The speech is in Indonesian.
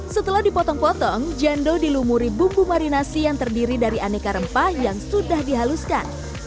setelah dipotong potong jando dilumuri bumbu marinasi yang terdiri dari aneka rempah yang sudah dihaluskan